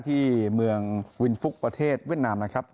ที่เมืองวินฟุกประเทศเวียดนามนะครับ